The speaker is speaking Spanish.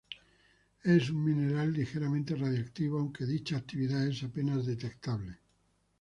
Es un mineral ligeramente radioactivo, aunque dicha actividad es apenas detectable.